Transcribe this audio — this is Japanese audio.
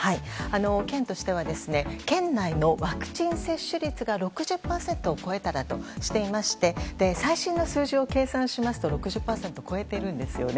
県としては県内のワクチン接種率が６０％を超えたらとしていまして最新の数字を計算しますと６０％を超えているんですね。